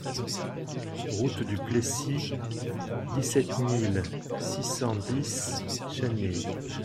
Route du Plessis, dix-sept mille six cent dix Chaniers